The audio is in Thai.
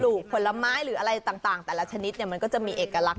ลูกผลไม้หรืออะไรต่างแต่ละชนิดเนี่ยมันก็จะมีเอกลักษณ